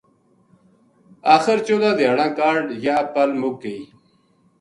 آخر چودہ دھیاڑاں کاہڈ یاہ پل مُک گئی